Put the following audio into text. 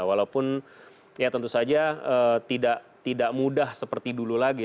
walaupun ya tentu saja tidak mudah seperti dulu lagi